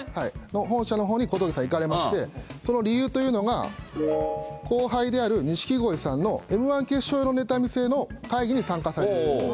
本社のほうに小峠さん行かれまして、その理由というのが、後輩である錦鯉さんのＭー１決勝用のネタ見せの会議に参加されていると。